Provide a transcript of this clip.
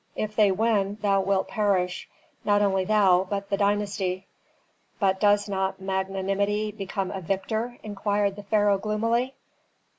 If they win, thou wilt perish, not only thou, but the dynasty." "But does not magnanimity become a victor?" inquired the pharaoh gloomily.